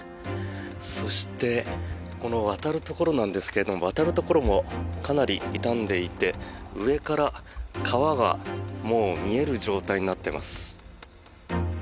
そしてこの渡るところなんですが渡るところもかなり傷んでいて上から川が見える状態になっています。